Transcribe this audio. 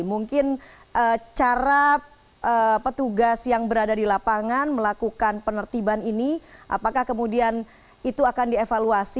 mungkin cara petugas yang berada di lapangan melakukan penertiban ini apakah kemudian itu akan dievaluasi